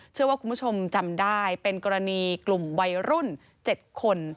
เชื่อว่าคุณผู้ชมจำได้เป็นกรณีกลุ่มวัยรุ่น๗คน